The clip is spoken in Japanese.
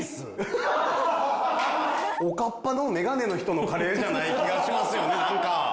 おかっぱのメガネの人のカレーじゃない気がしますよねなんか。